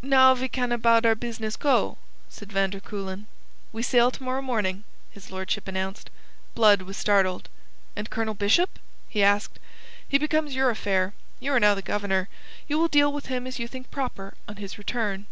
"Now ve can aboud our business go," said van der Kuylen. "We sail to morrow morning," his lordship announced. Blood was startled. "And Colonel Bishop?" he asked. "He becomes your affair. You are now the Governor. You will deal with him as you think proper on his return.